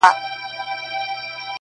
تورلباس واغوندهیاره باک یې نسته,